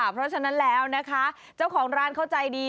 เพราะฉะนั้นแล้วนะคะเจ้าของร้านเขาใจดี